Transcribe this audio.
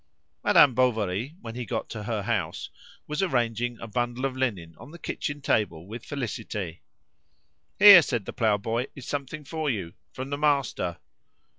Madame Bovary, when he got to her house, was arranging a bundle of linen on the kitchen table with Félicité. "Here," said the ploughboy, "is something for you from the master."